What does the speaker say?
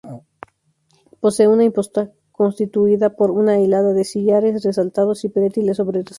Posee una imposta constituida por una hilada de sillares resaltados, y pretiles sobre rasante.